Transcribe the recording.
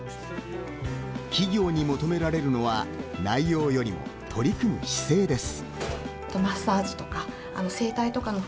企業に求められるのは内容よりも取り組む姿勢です。